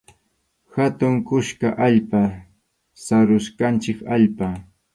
Hatun kuska allpa, sarusqanchik allpa.